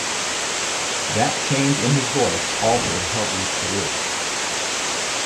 That change in his voice altered Helton's career.